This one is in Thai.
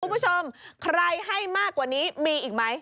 คุณผู้ชมใครให้มากกว่านี้มีอีกไหม